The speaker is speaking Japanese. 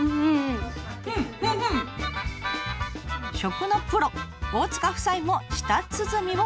食のプロ大塚夫妻も舌鼓を打ちます。